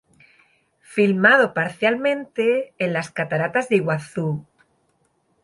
Filmado parcialmente en las Cataratas del Iguazú.